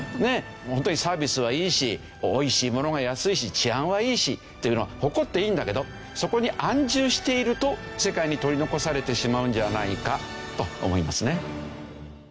ホントにサービスはいいしおいしいものが安いし治安はいいしっていうのは誇っていいんだけどそこに安住していると世界に取り残されてしまうんじゃないかと思いますね。